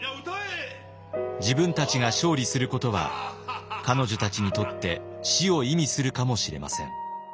自分たちが勝利することは彼女たちにとって死を意味するかもしれません。